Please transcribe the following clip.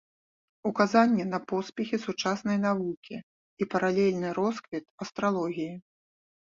Указанне на поспехі сучаснай навукі і паралельны росквіт астралогіі.